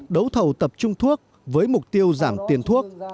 đấu thầu tập trung thuốc với mục tiêu giảm tiền thuốc